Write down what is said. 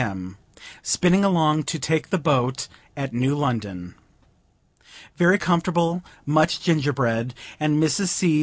M. Spinning along to take the boat at New London. Very comfortable; munch gingerbread, and Mrs. C.'